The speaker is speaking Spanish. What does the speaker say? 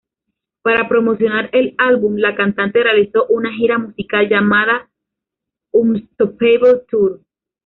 Para promocionar el álbum, la cantante realizó una gira musical llamada Unstoppable Tour.